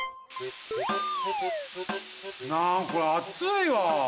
なんこれあついわ！